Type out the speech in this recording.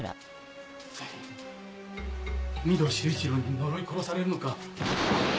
全員御堂周一郎に呪い殺されるのか？